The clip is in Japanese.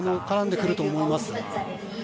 絡んでくると思います。